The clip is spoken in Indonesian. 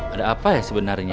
ada apa aja sebenarnya